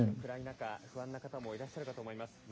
暗い中、不安な方もいらっしゃると思います。